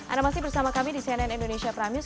anda masih bersama kami di cnn indonesia prime news